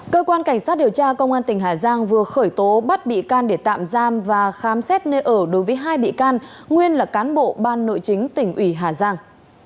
cơ quan cảnh sát điều tra công an tỉnh hà giang vừa khởi tố bắt bị can để tạm giam và khám xét nơi ở đối với hai bị can nguyên là cán bộ ban nội chính tỉnh ủy hà giang